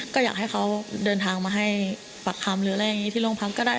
ก็อยากให้เขาเดินทางมาให้ปากคำหรืออะไรอย่างนี้ที่โรงพักก็ได้